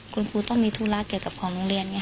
คุณครูต้องมีธุระเกี่ยวกับของโรงเรียน